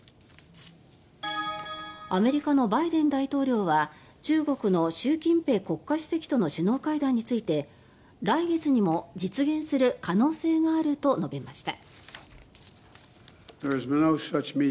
アメリカのバイデン大統領は中国の習近平国家主席との首脳会談について来月にも実現する可能性があると述べました。